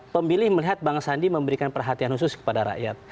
pemilih melihat bang sandi memberikan perhatian khusus kepada rakyat